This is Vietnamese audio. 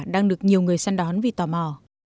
đang được nhiều người săn đón vì tò mò